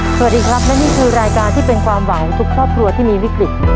สวัสดีครับและนี่คือรายการที่เป็นความหวังของทุกครอบครัวที่มีวิกฤต